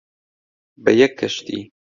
بە یەک کەشتی،